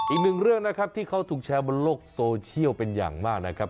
อีกหนึ่งเรื่องนะครับที่เขาถูกแชร์บนโลกโซเชียลเป็นอย่างมากนะครับ